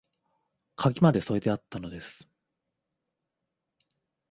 鍵まで添えてあったのです